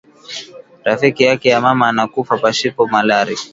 Rafiki yake ya mama ana kufa pashipo malari